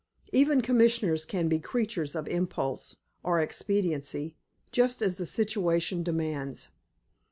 Even Commissioners can be creatures of impulse, or expediency, just as the situation demands.